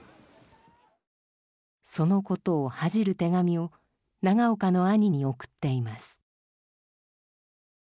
その事を恥じる手紙を長岡の兄に送っています。